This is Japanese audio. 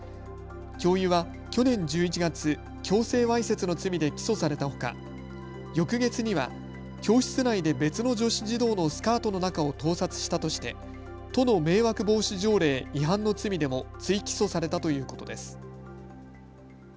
教諭は去年１１月、強制わいせつの罪で起訴されたほか翌月には教室内で別の女子児童のスカートの中を盗撮したとして都の迷惑防止条例違反の罪でも追起訴されたということです。